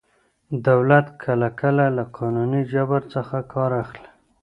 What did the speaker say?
دولت کله کله له قانوني جبر څخه کار اخلي.